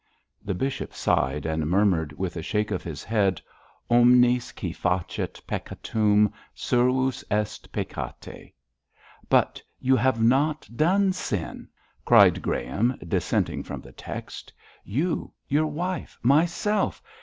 The bishop sighed, and murmured with a shake of his head, 'Omnis qui facit peccatum, servus est peccati!' 'But you have not done sin!' cried Graham, dissenting from the text. 'You! your wife! myself!